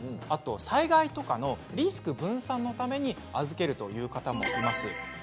あと災害とかのリスク分散のために預けるという方もいます。